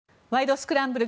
スクランブル」